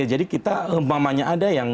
jadi kita mamanya ada yang